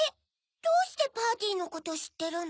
どうしてパーティーのことしってるの？